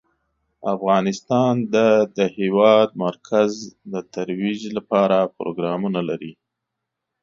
افغانستان د د هېواد مرکز د ترویج لپاره پروګرامونه لري.